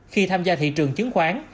khi tham gia thị trường chứng khoán